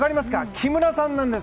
木村さんです。